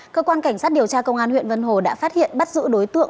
cơ quan cảnh sát điều tra công an huyện vân hồ đã phát hiện bắt giữ đối tượng